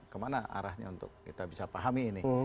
kemana arahnya untuk kita bisa pahami ini